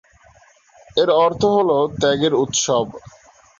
এর অর্থ হলো ‘ত্যাগের উৎসব’।